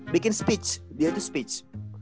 bikin speech dia itu speech